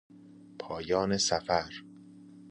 پایان سفر